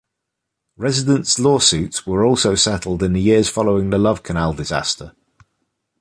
Residents' lawsuits were also settled in the years following the Love Canal disaster.